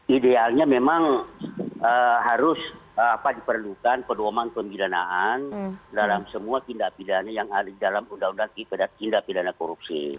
idealnya memang harus diperlukan pedoman pemidanaan dalam semua tindak pidana yang ada di dalam undang undang tindak pidana korupsi